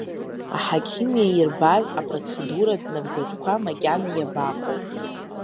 Аҳақьым иаирбаз апроцедуратә нагӡатәқәа макьана иабаҟоу!